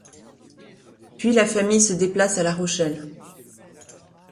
Puis la famille se déplace à La Rochelle.